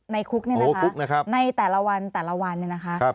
ในคุกนี่นะคะในแต่ละวันนะคะ